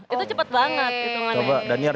itu cepat banget